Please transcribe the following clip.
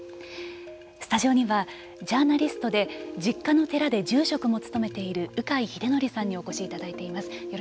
スタジオにはジャーナリストで実家の寺で住職も務めている鵜飼秀徳さんにお越しいただいています。